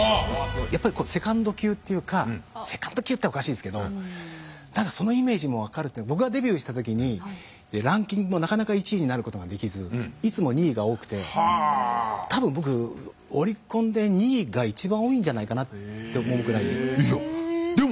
やっぱりセカンド級っていうかセカンド級っておかしいですけど何かそのイメージも分かるってのは僕がデビューした時にランキングもなかなか１位になることができず多分僕オリコンで２位が一番多いんじゃないかなって思うぐらい。